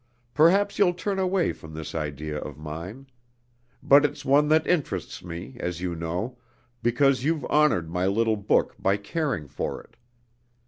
"Perhaps you'll turn away from this idea of mine. But it's one that interests me, as you know, because you've honored my little book by caring for it.